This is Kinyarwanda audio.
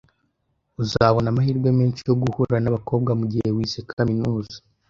Uzabona amahirwe menshi yo guhura nabakobwa mugihe wize kaminuza